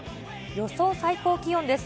予想最高気温です。